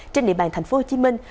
trên địa bàn thành phố hồ chí minh